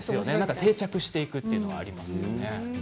定着していくというのはありますね。